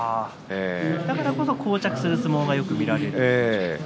だからこそこう着する相撲がよく見られるんですね。